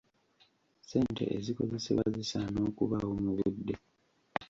Ssente ezikozesebwa zisaana okubaawo mu budde.